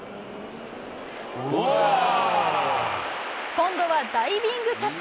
今度はダイビングキャッチ。